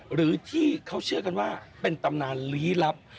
หรือที่เขาเชื่อกันว่าเป็นตำนานลี้ลับ